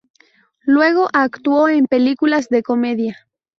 Luego actuó en películas de comedia.